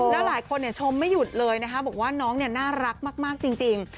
แล้วหลายคนชมไม่หยุดเลยนะคะบอกว่าน้องน่ารักมากจริง